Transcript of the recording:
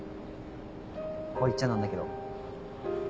こう言っちゃ何だけど。